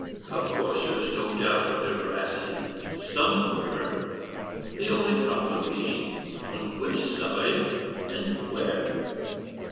Of course, there is no doubt of their veracity somewhere; the only problem being, on which side, and where.